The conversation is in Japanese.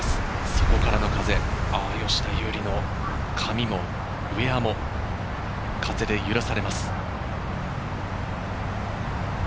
そこからの風、吉田優利の髪もウエアも風で揺らされます。